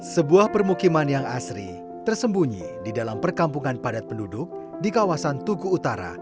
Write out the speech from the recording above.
sebuah permukiman yang asri tersembunyi di dalam perkampungan padat penduduk di kawasan tugu utara